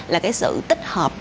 là sự tích hợp khoa học công ty